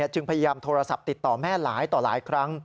จึงพยายามโทรศัพท์ติดต่อแม่หลายต่อหลายครั้ง